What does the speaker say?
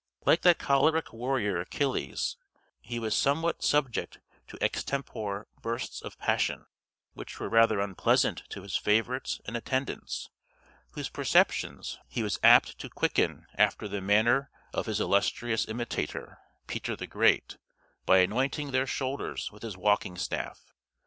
Like that choleric warrior Achilles, he was somewhat subject to extempore bursts of passion, which were rather unpleasant to his favorites and attendants, whose perceptions he was apt to quicken after the manner of his illustrious imitator, Peter the Great, by anointing their shoulders with his walking staff.